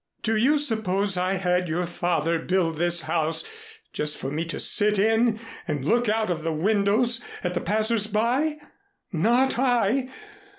Do you suppose I had your father build this house just for me to sit in and look out of the windows at the passersby? Not I.